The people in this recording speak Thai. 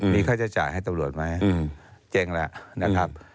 มีค่าใช้จ่ายให้ตำรวจไหมเจ๊งแล้วนะครับ